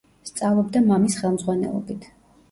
სწავლობდა მამის ხელმძღვანელობით.